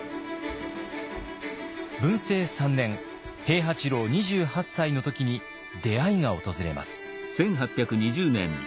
文政３年平八郎２８歳の時に出会いが訪れます。